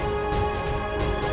kembali ke rumah saya